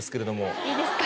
いいですか？